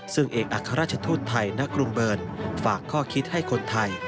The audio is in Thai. ซึ่งเอกอัครราชทูตไทยณกรุงเบิร์นฝากข้อคิดให้คนไทย